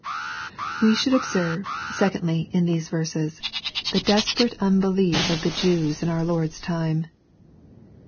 We should observe, secondly, in these verses, the despc' rate unbelief of the Jews in our Lord's time.